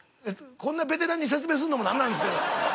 こんなベテランに説明するのもなんなんですけど。